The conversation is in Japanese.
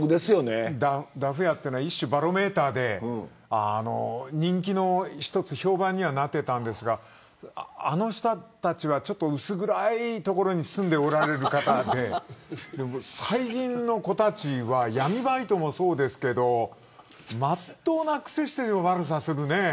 ダフ屋は一種のバロメーターで評判にはなっていたんですがあの人たちは薄暗い所に住んでいる方で最近の子たちは闇バイトもそうですけどまっとうなくせして悪さをするね。